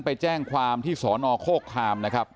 ไปแจ้งความที่สอนอโคคามนะครับ